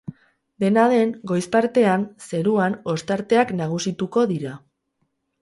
Dena den, goiz partean zeruan ostarteak nagusituko dira.